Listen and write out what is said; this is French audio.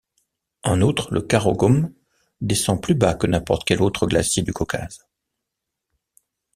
En outre, le Karaugom descend plus bas que n'importe quel autre glacier du Caucase.